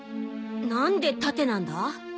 なんで縦なんだ？